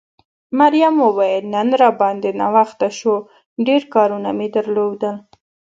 مريم وویل نن را باندې ناوخته شو، ډېر کارونه مې درلودل.